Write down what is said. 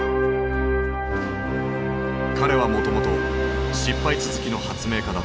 彼はもともと失敗続きの発明家だった。